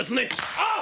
「あっ！